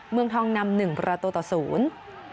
เมืองทองนำหนึ่งประตูต่อศูนย์